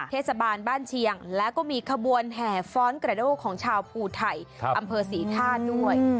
เทศบาลบ้านเชียงแล้วก็มีขบวนแห่ฟ้อนกระโดของชาวภูไทยอำเภอศรีธาตุด้วย